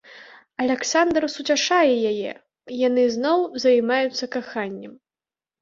Аляксандр суцяшае яе, і яны зноў займаюцца каханнем.